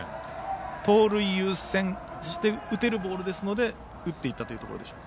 盗塁優先、そして打てるボールでしたので打っていったというところでしょうか。